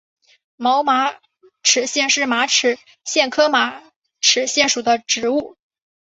毛马齿苋是马齿苋科马齿苋属的植物。